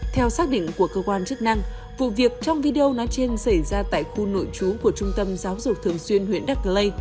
theo xác định của cơ quan chức năng vụ việc trong video nói trên xảy ra tại khu nội trú của trung tâm giáo dục thường xuyên huyện đắc lây